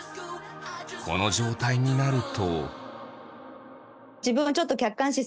この状態になると。